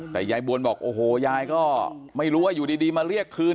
แต่ยายบวนบอกโอ้โหยายก็ไม่รู้ว่าอยู่ดีมาเรียกคืน